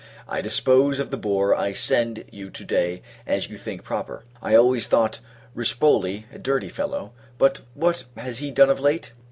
Dispose of the boar I send you to day as you think proper. I always thought Ruspoli a dirty fellow; but what has he done of late?